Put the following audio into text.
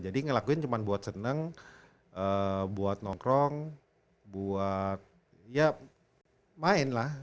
jadi ngelakuin cuma buat seneng buat nongkrong buat ya main lah